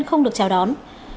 không được chào đón